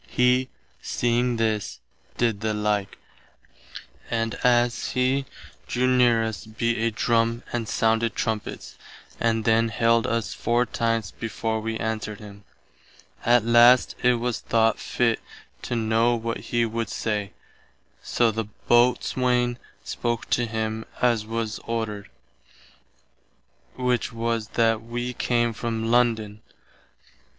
He, seeing this, did the like, and as [he] drew near us beat a drum and sounded trumpets, and then hailed us four times before we answered him. At last it was thought fitt to know what he would say, soe the Boatswaine spoke to him as was ordered, which was that wee came from London.